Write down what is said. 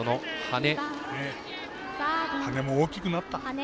羽根も大きくなった。